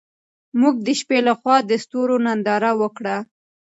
موږ د شپې لخوا د ستورو ننداره وکړه.